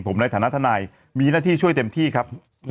ผมในฐานะทนายมีหน้าที่ช่วยเต็มที่ครับ